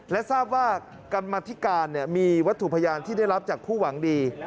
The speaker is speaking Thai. และทราบว่ากรรมธิการมีวัตถุพยานที่ได้รับจากผู้หวังดี